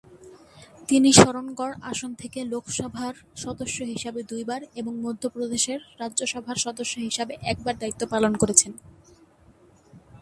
তিনি শরণগড় আসন থেকে লোকসভার সদস্য হিসাবে দুইবার এবং মধ্যপ্রদেশের রাজ্যসভার সদস্য হিসাবে একবার দায়িত্ব পালন করেছেন।